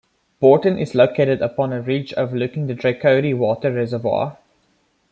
Bourton is located upon a ridge overlooking the Draycote Water reservoir.